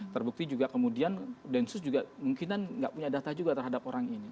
terbukti juga kemudian densus juga mungkinan nggak punya data juga terhadap orang ini